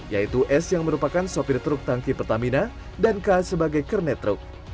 yaitu s yang merupakan sopir truk tangki pertamina dan k sebagai kernet truk